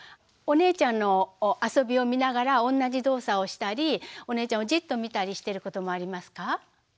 お姉ちゃんの遊びを見ながら同じ動作をしたりお姉ちゃんをじっと見たりしてることもありますか？